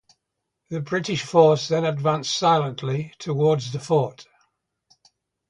The British force then advanced silently towards the fort.